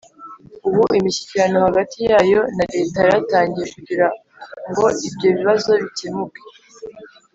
ubu imishyikirano hagati yayo na leta yaratangiye kugirango ibyo bibazo bikemuke.